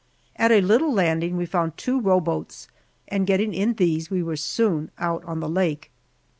At a little landing we found two row boats, and getting in these we were soon out on the lake.